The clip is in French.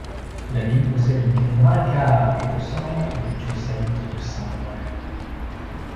La ville possède une cathédrale car il est le centre du diocèse de Saint-Paul.